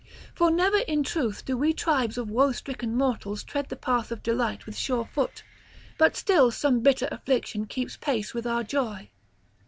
For never in truth do we tribes of woe stricken mortals tread the path of delight with sure foot; but still some bitter affliction keeps pace with our joy.